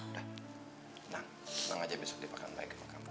dah tenang tenang aja besok dia akan baik sama kamu